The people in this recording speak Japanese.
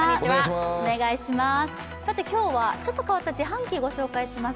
今日は、ちょっと変わった自販機をご紹介します。